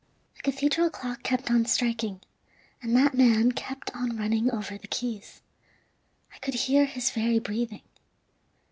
"The cathedral clock kept on striking, and that man kept on running over the keys. I could hear his very breathing.